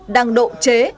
đang độ chế